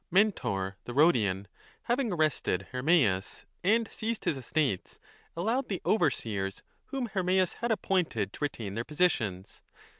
Mentor, the Rhodian, having arrested Hermeias and seized his estates, allowed the overseers whom Hermeias 35 had appointed to retain their positions.